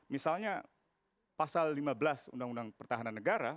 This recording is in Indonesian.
misalnya pasal lima belas undang undang pertahanan negara